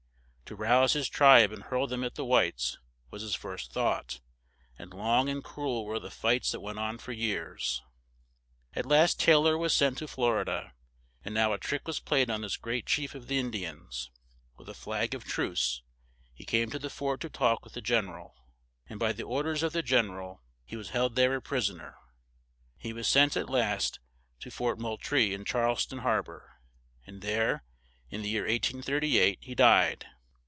To rouse his tribe and hurl them at the whites, was his first thought; and long and cru el were the fights that went on for years. At last Tay lor was sent to Flor i da; and now a trick was played on this great chief of the In di ans; with a flag of truce, he came to the fort to talk with the gen er al; and by the or ders of the gen er al, he was held there a pris on er; he was sent, at last, to Fort Moul trie in Charles ton har bor, and there, in the year 1838, he died.